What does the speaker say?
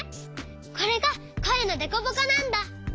これがこえのデコボコなんだ。